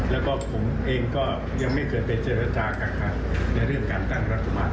แล้วก็ผมเองก็ยังไม่เคยไปเจรจากักขังในเรื่องการตั้งรัฐบาล